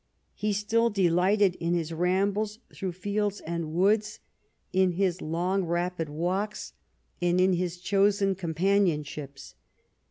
He still delighted in his rambles through fields and woods, in his long, rapid walks, and in his chosen com panionships.